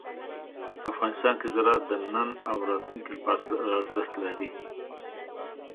افغانستان کې زراعت د نن او راتلونکي لپاره ارزښت لري.